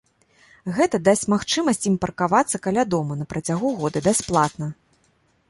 Гэта дасць магчымасць ім паркавацца каля дома на працягу года бясплатна.